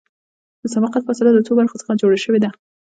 د سبقت فاصله د څو برخو څخه جوړه شوې ده